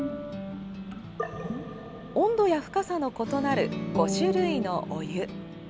温度や深さの異なる５種類のお湯。